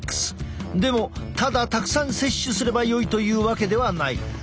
でもただたくさん摂取すればよいというわけではない。